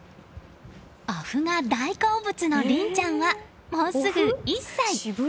おふが大好物の凜ちゃんはもうすぐ１歳。